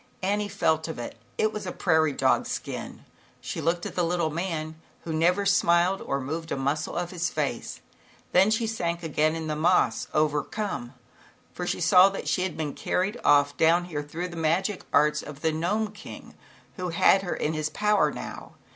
Annie felt of it. It was a prairie dog's skin. She looked at the little man who never smiled or moved a s muscle of his face. Then she sank again on the moss, overcome, for she saw that she had been carried off down here through the magic arts of the Gnome King, who had her in his power now.